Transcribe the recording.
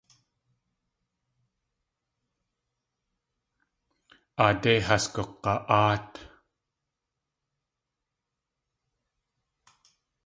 Aadé has gug̲a.áat.